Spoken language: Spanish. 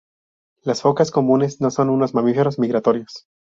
Las focas comunes no son unos mamíferos migratorios.